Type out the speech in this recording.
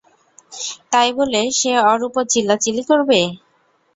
তাই বলে সে ওর উপর চিল্লাচিল্লি করবে?